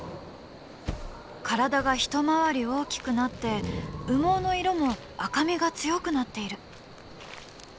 体が一回り大きくなって羽毛の色も赤みが強くなっている。